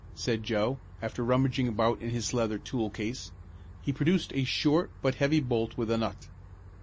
said Joe, after rummaging about in his leather tool case. He produced a short but heavy bolt with a nut.